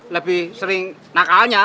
lebih sering nakalnya